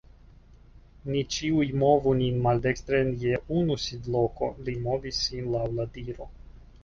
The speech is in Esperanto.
"Ni ĉiuj movu nin maldekstren je unu sidloko." Li movis sin laŭ la diro.